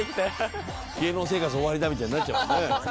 「芸能生活終わりだみたいになっちゃうもんね」